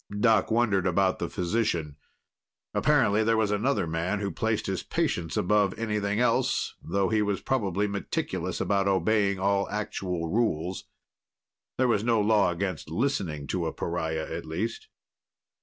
Doc wondered about the physician. Apparently there was another man who placed his patients above anything else, though he was probably meticulous about obeying all actual rules. There was no law against listening to a pariah, at least.